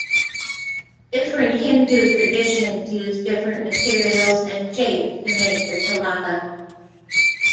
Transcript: Different Hindu traditions use different materials and shapes to make the tilaka.